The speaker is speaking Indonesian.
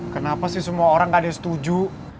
kenapa sih semua orang gak ada yang setuju